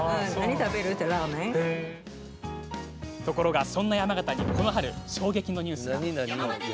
ところがそんな山形にこの春、衝撃のニュースが！